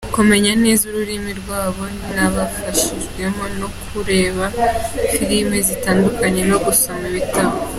Kumenya neza ururimi rwabo nabifashijwemo no kureba filime zitandukanye no gusoma ibitabo.